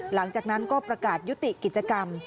หลังจากนั้นก็ประกาศยุติกิจกรรม